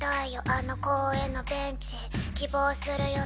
あの公園のベンチ希望するよ